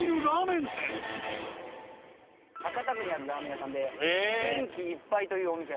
博多区にあるラーメン屋さんで「元気一杯！！」というお店。